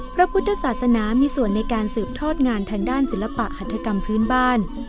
พระพุทธศาสนามีส่วนในการสืบทอดงานทางด้านศิลปะหัฐกรรมพื้นบ้าน